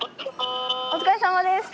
お疲れさまです。